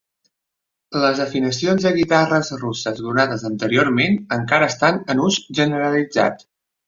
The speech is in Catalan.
Les afinacions de guitarres russes donades anteriorment encara estan en ús generalitzat.